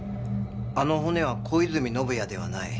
「あの骨は小泉宣也ではない」。